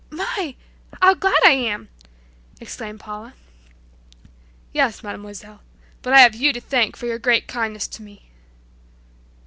"My! How glad I am!" exclaimed Paula. "Yes, Mademoiselle, but I have you to thank for your great kindness to me."